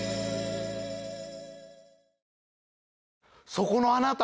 そこのあなた！